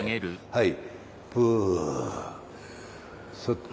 はい。